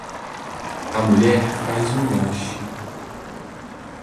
A mulher faza um lanche.